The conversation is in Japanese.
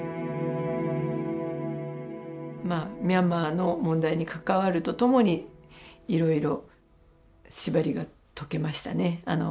まあミャンマーの問題に関わるとともにいろいろ縛りが解けましたね。